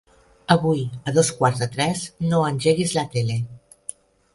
Avui a dos quarts de tres no engeguis la tele.